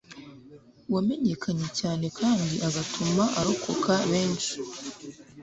wamenyekanye cyane kandi agatuma arokora besnhi